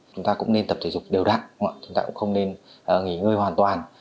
chúng ta cũng nên tập thể dục đều đặn chúng ta cũng không nên nghỉ ngơi hoàn toàn